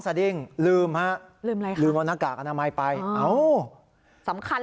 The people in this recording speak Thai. สะดิ้งลืมฮะลืมอะไรค่ะลืมเอาหน้าากอรณไมน์ไปหรอสำคัญ